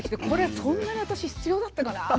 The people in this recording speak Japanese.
これそんなに私必要だったかな？